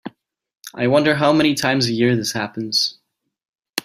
I wonder how many times a year this happens.